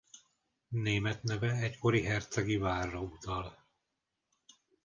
Német neve egykori hercegi várra utal.